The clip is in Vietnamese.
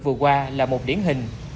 vừa qua là một điển hình